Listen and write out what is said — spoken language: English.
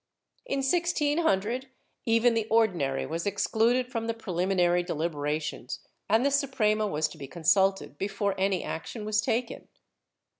^ In 1600, even the Ordinary was ex cluded from the preliminary deliberations and the Suprema was to be consulted before any action was taken.